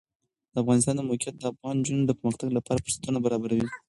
د افغانستان د موقعیت د افغان نجونو د پرمختګ لپاره فرصتونه برابروي.